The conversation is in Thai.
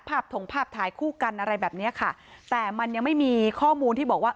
ถงภาพถ่ายคู่กันอะไรแบบเนี้ยค่ะแต่มันยังไม่มีข้อมูลที่บอกว่า